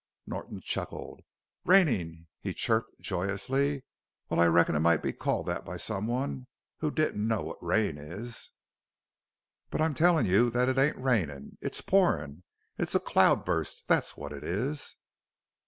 Norton chuckled. "Rainin'!" he chirped joyously. "Well, I reckon it might be called that by someone who didn't know what rain is. But I'm tellin' you that it ain't rainin' it's pourin'! It's a cloud burst, that's what it is!"